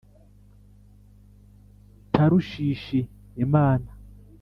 Tarushishi imana.